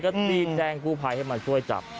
ก็รีบแจ้งกู้ภัยให้มาช่วยจับ